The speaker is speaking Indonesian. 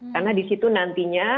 karena di situ nantinya